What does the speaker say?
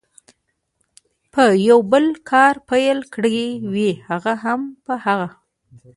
په یو بل کار پیل کړي وي، هغه هم په هغه.